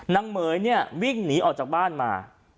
นางเหม๋ยวิ่งหนีออกจากบ้านมา